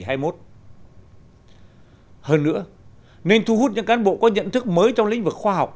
hơn nữa nên thu hút những cán bộ có nhận thức mới trong lĩnh vực khoa học